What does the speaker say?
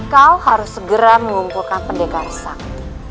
kau harus segera mengumpulkan pendekar sang